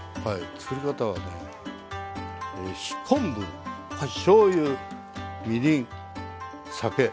つくり方はね昆布しょうゆみりん酒。